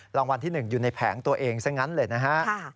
รางวัลที่๑อยู่ในแผงตัวเองซะงั้นเลยนะฮะ